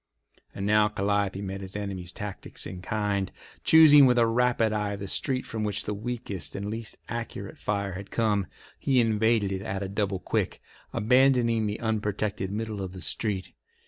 And now Calliope met the enemy's tactics in kind. Choosing with a rapid eye the street from which the weakest and least accurate fire had come, he invaded it at a double quick, abandoning the unprotected middle of the street.